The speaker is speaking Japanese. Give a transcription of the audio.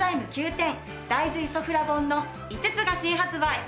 大豆イソフラボンの５つが新発売。